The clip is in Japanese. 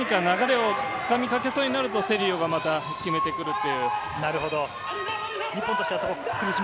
何か流れをつかみかけそうになると、セリオが決めてくると。